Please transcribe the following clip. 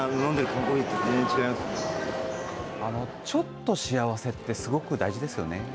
ちょっと幸せって、すごく大事ですよね。